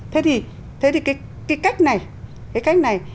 thế thì cái cách này